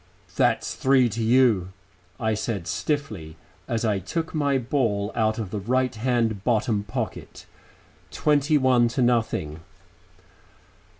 "That's three to you," I said stiffly, as I took my ball out of the right hand bottom pocket. "Twenty one to nothing."